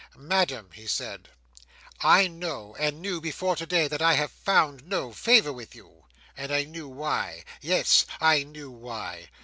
"Madam," he said, "I know, and knew before today, that I have found no favour with you; and I knew why. Yes. I knew why.